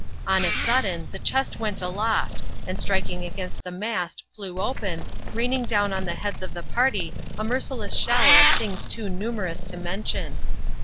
On a sudden, the chest went aloft, and striking against the mast, flew open, raining down on the heads of the party a merciless shower of things too numerous to mention.